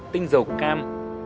tinh dầu cam